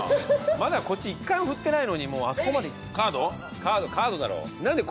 まだこっち１回も振ってないのにあそこまで。